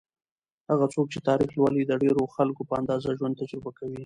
هغه څوک چې تاریخ لولي، د ډېرو خلکو په اندازه ژوند تجربه کوي.